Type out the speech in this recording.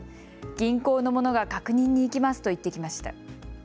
銀行の者が確認に行きますと言ってきました。